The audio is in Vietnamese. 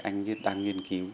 anh đang nghiên cứu